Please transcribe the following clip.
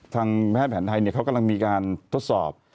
ทางแพทย์แผนไทยเขากำลังมีการทดสอบ